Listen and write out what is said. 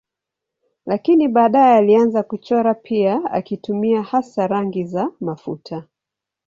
Lakini baadaye alianza kuchora pia akitumia hasa rangi za mafuta.